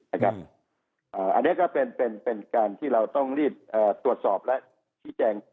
อันไงก็เป็นการเราต้องรีบตรวจสอบและติจัง